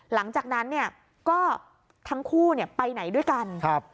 หลังจากนั้นก็ทั้งคู่ไปไหนด้วยกัน